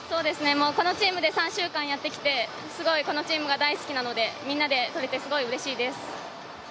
このチームで３週間やってきて、このチームが大好きなのでみんなで取れてうれしいです。